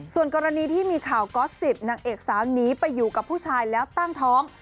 ส่วนกรณีที่มีข่าวก๊อส๑๐นางเอกสาวหนีไปอยู่กับผู้ชายแล้วตั้งท้อง